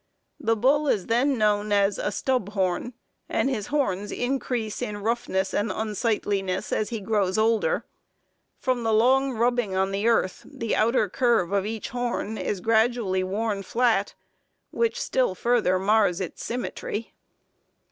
The bull is then known as a "stub horn," and his horns increase in roughness and unsightliness as he grows older. From long rubbing on the earth, the outer curve of each horn is gradually worn flat, which still further mars its symmetry.